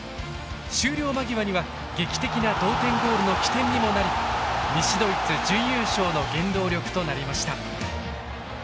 終了間際には劇的な同点ゴールの起点にもなり西ドイツ準優勝の原動力となりました。